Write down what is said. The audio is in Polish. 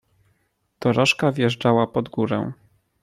"Dorożka wjeżdżała pod górę!"